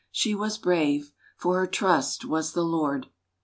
She was brave, for her trust was the Lord.